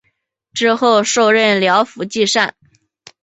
之后授任辽府纪善。